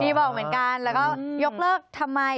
มีบอกเหมือนกันแล้วก็ยกเลิกทำไม